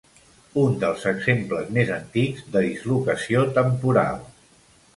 Un dels exemples més antics de dislocació temporal.